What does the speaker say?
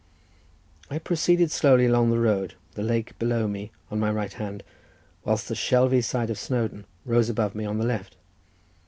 I proceeded slowly along the road, the lake below me on my right hand, whilst the shelvy side of Snowdon rose above me on the left.